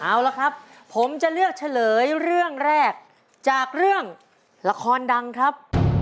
เอาละครับผมจะเลือกเฉลยเรื่องแรกจากเรื่องละครดังครับ